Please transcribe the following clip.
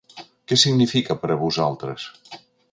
Que signifiquen per a vosaltres?